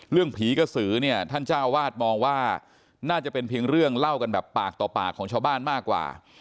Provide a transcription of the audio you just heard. ผีกระสือเนี่ยท่านเจ้าวาดมองว่าน่าจะเป็นเพียงเรื่องเล่ากันแบบปากต่อปากของชาวบ้านมากกว่า